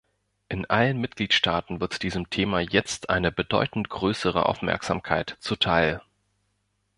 In allen Mitgliedstaaten wird diesem Thema jetzt eine bedeutend größere Aufmerksamkeit zuteil.